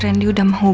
aduh mati gue